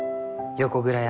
横倉山？